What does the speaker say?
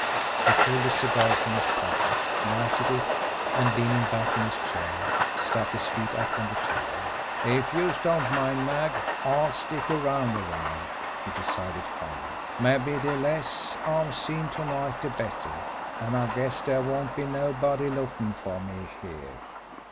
He pulled a cigar from his pocket, lighted it, and, leaning back in his chair, stuck his feet up on the table. "If youse don't mind, Mag, I'll stick around a while," he decided calmly. "Mabbe de less I'm seen to night de better an' I guess dere won't be nobody lookin' fer me here."